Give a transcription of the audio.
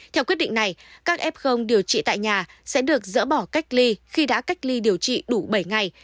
theo quyết định này các f điều trị tại nhà sẽ được dỡ bỏ cách ly khi đã cách ly điều trị đủ bảy ngày